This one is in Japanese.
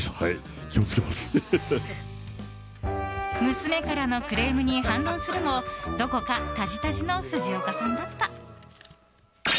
娘からのクレームに反論するもどこかタジタジの藤岡さんだった。